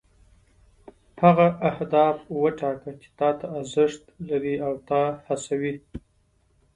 هغه اهداف وټاکه چې تا ته ارزښت لري او تا هڅوي.